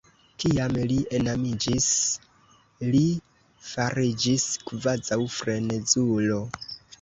Kiam li enamiĝis, li fariĝis kvazaŭ frenezulo.